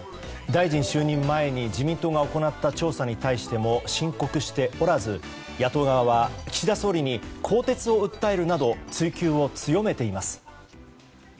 大臣就任前に自民党が行った調査に対しても申告しておらず野党側は岸田総理に更迭を訴えるなど追及を強めています。